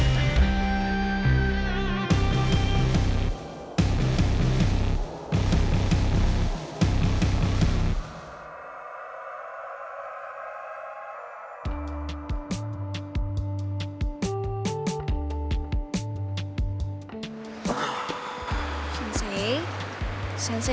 yan akan coba